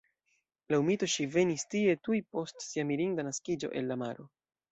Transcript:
Laŭ mito, ŝi venis tie tuj post sia mirinda naskiĝo el la maro.